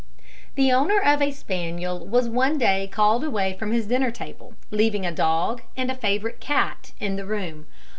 The owner of a spaniel was one day called away from his dinner table, leaving a dog and a favourite cat in the room.